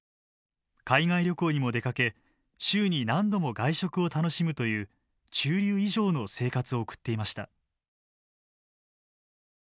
海外旅行にも出かけ週に何度も外食を楽しむという中流以上の生活を送っていました。